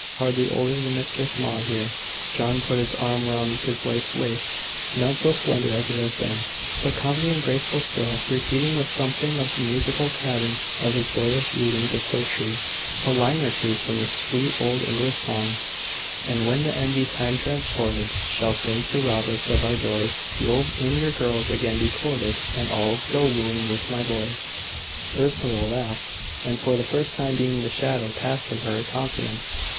hardly older than Mistress Maud here." John put his arm round his wife's waist not so slender as it had been, but comely and graceful still, repeating with something of the musical cadence of his boyish readings of poetry a line or two from the sweet old English song: "And when with envy Time transported Shall think to rob us of our joys, You'll in your girls again be courted, And I'll go wooing with my boys." Ursula laughed, and for the time being the shadow passed from her countenance.